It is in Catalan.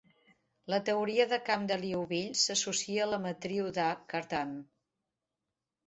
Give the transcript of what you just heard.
La teoria de camp de Liouville s'associa a la matriu d'A Cartan.